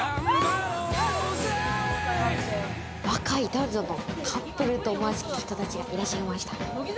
若い男女のカップルと思わしき人たちがいらっしゃいました。